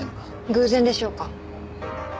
偶然でしょうか？